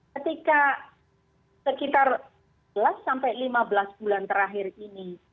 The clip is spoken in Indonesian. ketika sekitar sebelas sampai lima belas bulan terakhir ini